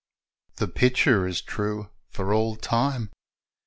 The picture is true for all time.